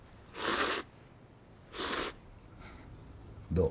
どう？